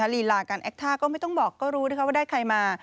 ลีลาการแอคท่าก็ไม่ต้องบอกก็รู้นะคะว่าได้ใครมา